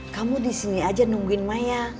kamu disini aja nungguin maya